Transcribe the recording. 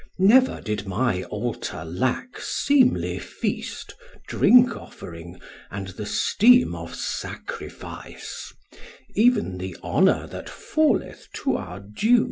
Never did my altar lack seemly feast, drink offering and the steam of sacrifice, even the honour that falleth to our due."